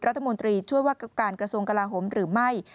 รัฐมนตรีช่วยว่าการกระทรวงกลาโหมหรือไม่